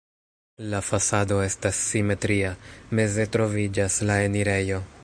La fasado estas simetria, meze troviĝas la enirejo.